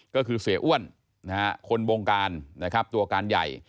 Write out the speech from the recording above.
ก็คือเสียอ้วนคนวงการตัวการใหญ่